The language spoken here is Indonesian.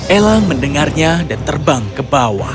ella mendengarnya dan terbang ke bawah